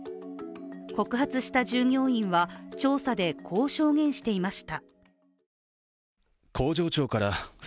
告発した従業員は、調査でこう証言していました。